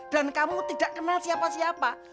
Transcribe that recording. dan kamu tidak kenal siapa siapa